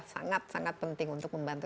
sangat sangat penting untuk membantu